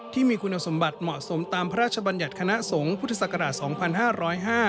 ที่มีคุณสมบัติเหมาะสมตามพระราชบัญญัติคณะสงฆ์พุทธศักราช๒๕๐๕